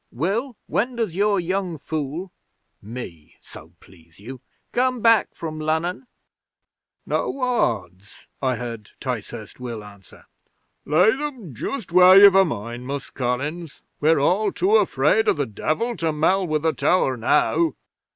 Will, when does your young fool" (me, so please you!) "come back from Lunnon?" '"No odds," I heard Ticehurst Will answer. "Lay 'em just where you've a mind, Mus' Collins. We're all too afraid o' the Devil to mell with the tower now."